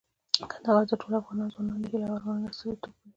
کندهار د ټولو افغان ځوانانو د هیلو او ارمانونو استازیتوب کوي.